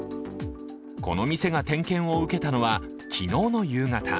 この店が点検を受けたのは昨日の夕方。